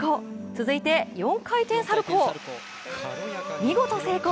続いて４回転サルコウ見事、成功。